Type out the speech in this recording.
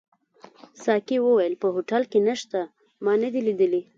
ساقي وویل: په هوټل کي نشته، ما نه دي لیدلي.